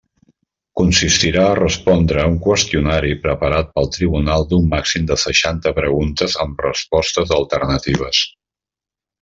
Consistirà a respondre un qüestionari preparat pel tribunal d'un màxim de seixanta preguntes amb respostes alternatives.